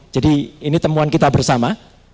jadi ini temuan kita bersama